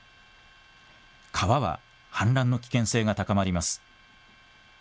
川は氾濫の危険性が高まります。